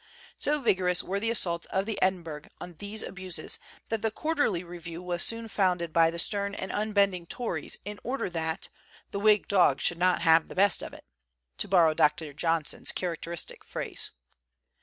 So vigorous were the assaults of the Edinburgh on these abuses that the Quarterly Review was soon founded by the stern and unbending Tories in order that "the Whig dogs should not have the best of it" to borrow Dr. Johnson's characteristic phrase.